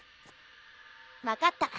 分かった。